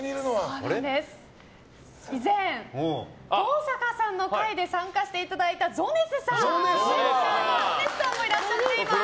以前、登坂さんの回で参加していただいたゾネスさんもいらしています。